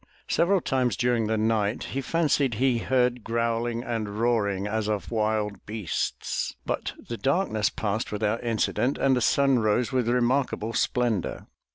Several times during the night he fancied he heard growling and roaring as of wild beasts, but the darkness passed without incident and the sun rose with remarkable splendor.